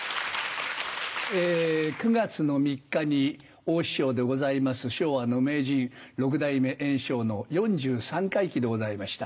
９月３日に大師匠でございます昭和の名人六代目圓生の４３回忌でございました。